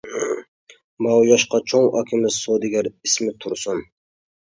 ماۋۇ ياشقا چوڭ ئاكىمىز سودىگەر، ئىسمى تۇرسۇن.